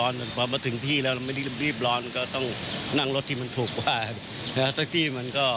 นั่งรถที่มันถูกกว่าตั้งที่มันก็